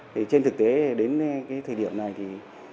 thì trên thực tế đến cái thời điểm này thì